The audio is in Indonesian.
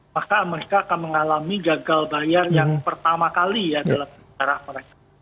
maka mereka akan mengalami gagal bayar yang pertama kali ya dalam sejarah mereka